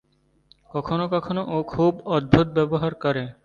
কখনো কখনো ও খুব অদ্ভুত ব্যবহার করে।